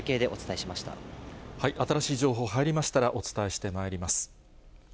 新しい情報、入りましたらお伝えしてまいります。